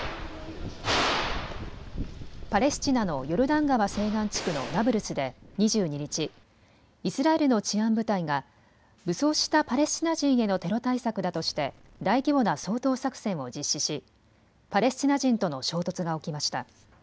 パレスチナのヨルダン川西岸地区のナブルスで２２日、イスラエルの治安部隊が武装したパレスチナ人へのテロ対策だとして大規模な掃討作戦を実施しパレスチナ人との衝突が起きました。